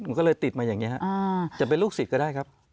มันก็เลยติดมาอย่างนี้จะเป็นลูกศิษย์ก็ได้ครับ